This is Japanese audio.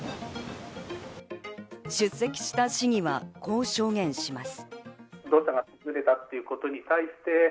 出席した市議はこう証言します。